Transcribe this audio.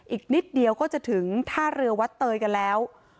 อีกนิดเดียวก็จะถึงท่าเรือวัดเตยกันแล้ว